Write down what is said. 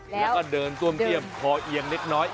แล้วก็เดินต้มเตียมคอเอียงนิดนิ้ว